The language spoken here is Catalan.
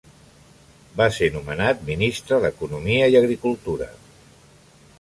Va ser nomenat ministre d'Economia i Agricultura.